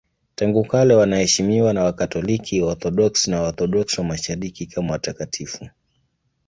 Tangu kale wanaheshimiwa na Wakatoliki, Waorthodoksi na Waorthodoksi wa Mashariki kama watakatifu.